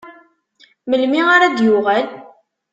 Melmi ara d-yuɣal?